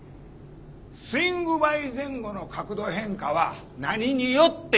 スイングバイ前後の角度変化は何によって決まんのか。